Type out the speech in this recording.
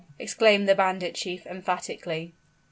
exclaimed the bandit chief, emphatically.